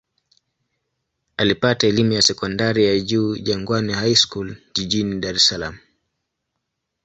Alipata elimu ya sekondari ya juu Jangwani High School jijini Dar es Salaam.